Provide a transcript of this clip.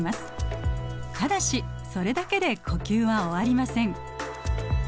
ただしそれだけで呼吸は終わりません。